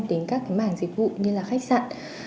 đến các mảng dịch vụ như là khách sạn